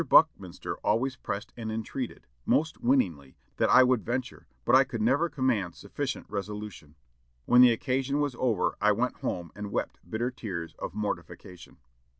Buckminster always pressed and entreated, most winningly, that I would venture, but I could never command sufficient resolution. When the occasion was over, I went home and wept bitter tears of mortification."